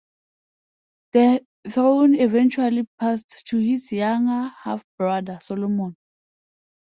The throne eventually passed to his younger half brother, Solomon.